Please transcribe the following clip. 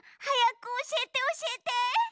はやくおしえておしえて！